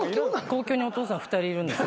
東京にお父さん２人いるんです。